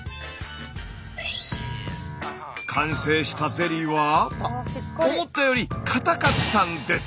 完成したゼリーは思ったより硬かったんです。